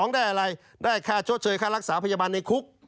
ได้อะไรได้ค่าชดเชยค่ารักษาพยาบาลในคุก